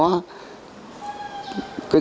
tôi nghĩ là